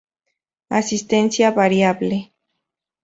Asistencia variable.